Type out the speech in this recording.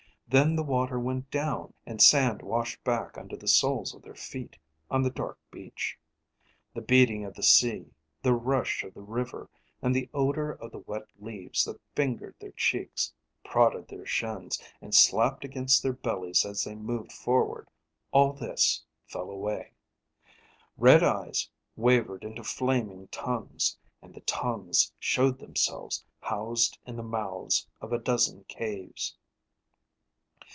Then the water went down and sand washed back under the soles of their feet on the dark beach. The beating of the sea, the rush of the river, and the odor of the wet leaves that fingered their cheeks, prodded their shins, and slapped against their bellies as they moved forward, all this fell away. Red eyes wavered into flaming tongues, and the tongues showed themselves housed in the mouths of a dozen caves.